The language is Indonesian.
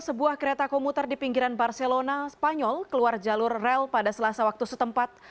sebuah kereta komuter di pinggiran barcelona spanyol keluar jalur rel pada selasa waktu setempat